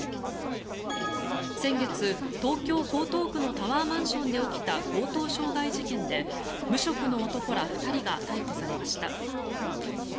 先月、東京・江東区のタワーマンションで起きた強盗傷害事件で無職の男ら２人が逮捕されました。